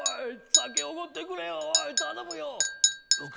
酒おごってくれよおい頼むよ。